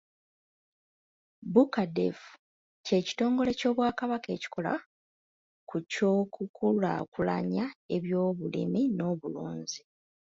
Bucadef kye kitongole ky’Obwakabaka ekikola ku by’okukulaakulanya ebyobulimi n’obulunzi.